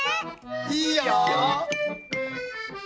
いいよ。